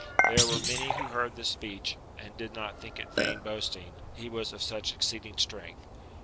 There were many who heard this speech, and did not think it vain boasting, he was of such exceeding strength.